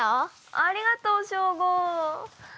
ありがとうショーゴ。